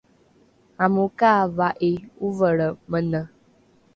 amokaava’i ovelre mene